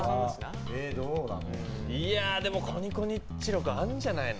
でも、コニコニッチロー君あるんじゃないの？